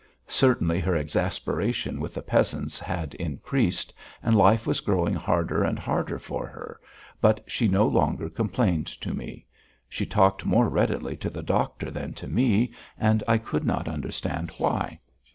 Certainly her exasperation with the peasants had increased and life was growing harder and harder for her, but she no longer complained to me. She talked more readily to the doctor than to me, and I could not understand why.